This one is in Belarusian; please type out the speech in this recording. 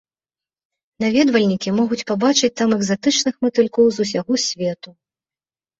Наведвальнікі могуць пабачыць там экзатычных матылькоў з усяго свету.